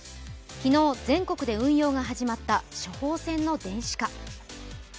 昨日、全国で運用が始まった処方箋の電子化。